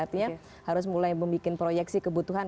artinya harus mulai membuat proyeksi kebutuhan